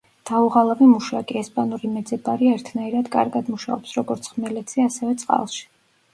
დაუღალავი მუშაკი, ესპანური მეძებარი ერთნაირად კარგად მუშაობს როგორც ხმელეთზე, ასევე წყალში.